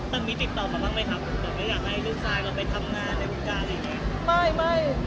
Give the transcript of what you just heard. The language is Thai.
แต่มีติดต่อมาบ้างไหมครับอยากให้ลูกชายเราไปทำงานในวุฒาอะไรอย่างนี้